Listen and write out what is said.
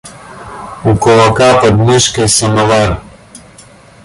У кулака под мышкой самовар.